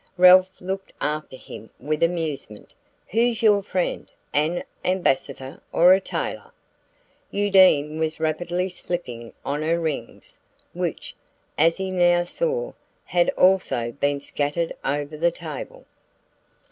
Ralph looked after him with amusement. "Who's your friend an Ambassador or a tailor?" Undine was rapidly slipping on her rings, which, as he now saw, had also been scattered over the table.